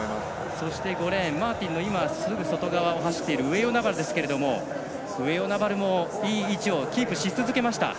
そして５レーンマーティンのすぐ後ろ側を走っている上与那原ですけれども上与那原もいい位置をキープし続けました。